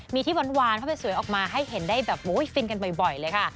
มีที่หวานเข้าไปสวยออกมาให้เห็นได้แบบฟินกันบ่อยเลยค่ะ